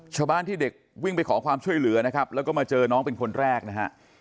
ชาวบ้านที่เด็กวิ่งไปขอความช่วยเหลือนะครับแล้วก็มาเจอน้องเป็นคนแรกนะฮะ